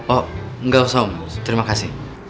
oh enggak usah om terima kasih